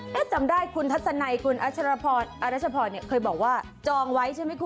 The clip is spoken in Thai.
ไม่จำได้คุณทัศนัยคุณอัชรพรอัชรพรเนี่ยเคยบอกว่าจองไว้ใช่มั้ยคุณ